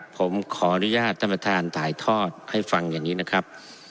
ผมขออนุญาตท่านประธานถ่ายทอดให้ฟังอย่างนี้นะครับ